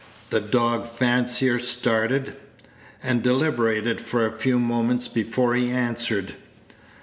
The dog fancier started, and deliberated for a few moments before he answered.